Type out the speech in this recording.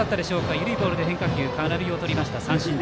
緩いボールで変化球空振りを取りました。